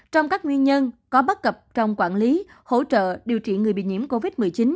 trong các nguyên nhân có bất cập trong quản lý hỗ trợ điều trị người bị nhiễm covid một mươi chín